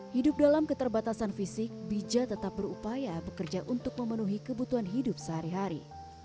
hidup dalam keterbatasan fisik bija tetap berupaya bekerja untuk memenuhi kebutuhan hidup sehari hari